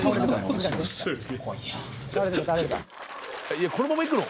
「いやこのまま行くの？」